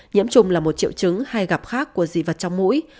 nhiễm trùng là một triệu chứng hay gặp khác của dị vật trong mũi